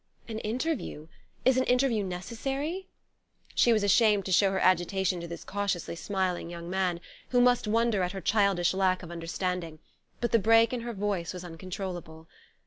"An interview? Is an interview necessary?" She was ashamed to show her agitation to this cautiously smiling young man, who must wonder at her childish lack of understanding; but the break in her voice was uncontrollable.